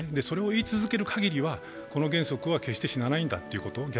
それを言い続けるかぎりはこの原則は決して死なないんだということ。